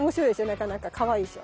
なかなかかわいいでしょ。